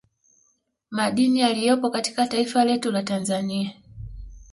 Madini yaliyopo katika taifa letu la Tanzania